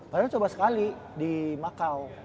padahal coba sekali di makau